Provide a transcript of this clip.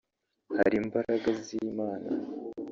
hari imbaraga z'Imana